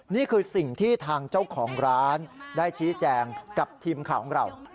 นี่คือสิ่งที่ทางเจ้าของร้านได้ชี้แจงกับทีมข่าวของเรา